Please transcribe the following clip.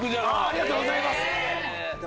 ありがとうございます。